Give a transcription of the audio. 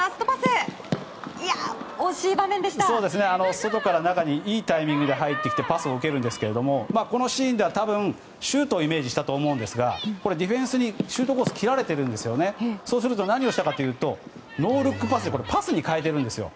外から中にいいタイミングで入ってきてパスを受けるんですがこのシーンでは多分シュートをイメージしたと思いますがディフェンスにシュートコースを切られていたのでノールックパスでパスに変えてるんですよ。